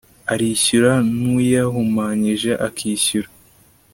arishyura n uyahumanyije akishyura